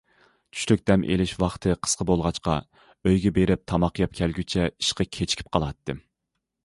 چۈشلۈك دەم ئېلىش ۋاقتى قىسقا بولغاچقا، ئۆيگە بېرىپ تاماق يەپ كەلگۈچە ئىشقا كېچىكىپ قالاتتىم.